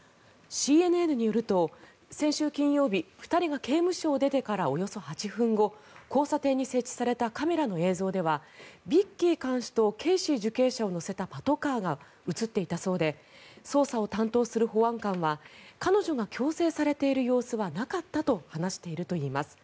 ＣＮＮによると先週金曜日、２人が刑務所を出てからおよそ８分後交差点に設置されたカメラの映像ではビッキー看守とケイシー受刑者を乗せたパトカーが映っていたそうで捜査を担当する保安官は彼女が強制されている様子はなかったと話しているといいます。